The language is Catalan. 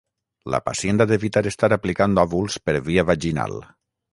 La pacient ha d'evitar estar aplicant òvuls per via vaginal.